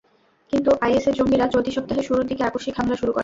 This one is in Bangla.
কিন্তু আইএসের জঙ্গিরা চলতি সপ্তাহের শুরুর দিকে আকস্মিক হামলা শুরু করে।